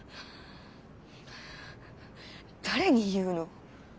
誰に言うの？